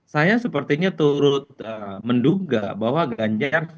saya sepertinya turut menduga bahwa ganjar sepertinya akan masuk dalam struktur kepengaruhan